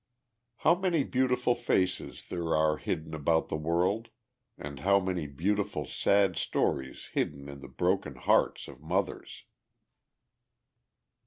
How many beautiful faces there are hidden about the world, and how many beautiful sad stories hidden in the broken hearts of mothers!